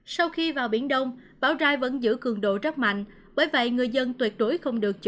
sau khi vào biển đông bão rai vẫn giữ cường độ rất mạnh bởi vậy người dân tuyệt đối không được chủ